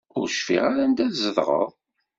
Ur cfiɣ ara anda tzedɣeḍ.